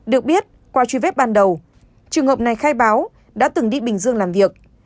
được biết qua truy vết ban đầu trường hợp này khai báo đã từng đi bình dương làm việc